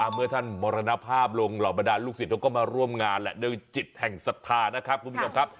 เมื่อท่านมรณภาพลงเหล่าบรรดาลูกศิษย์เขาก็มาร่วมงานแหละด้วยจิตแห่งศรัทธานะครับคุณผู้ชมครับ